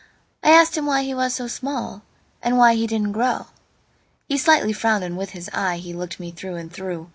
I asked him why he was so smallAnd why he didn't grow. He slightly frowned, and with his eyeHe looked me through and through.